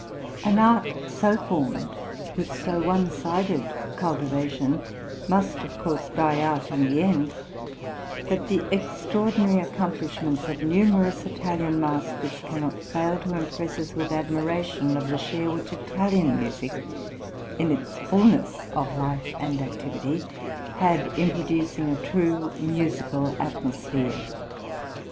An art so formed, {THE ITALIAN TOUR.} (104) with so one sided a cultivation, must of course die out in the end; but the extraordinary accomplishments of numerous Italian masters cannot fail to impress us with admiration of the share which Italian music, in its fulness of life and activity, had in producing a true musical atmosphere.